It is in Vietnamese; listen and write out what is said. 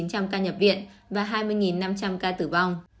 một chín trăm linh ca nhập viện và hai mươi năm trăm linh ca tử vong